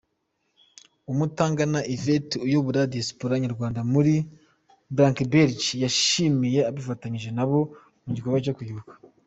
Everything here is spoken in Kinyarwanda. Umutangana Yvette uyobora Diaspora nyarwanda muri Blankenberge yashimiye abifatanyije nabo mu gikorwa cyo kwibuka.